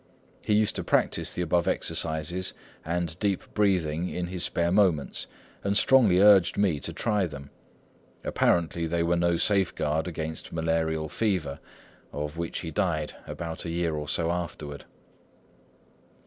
He used to practise the above exercises and deep breathing in his spare moments, and strongly urged me to try them. Apparently they were no safeguard against malarial fever, of which he died about a year or so afterward.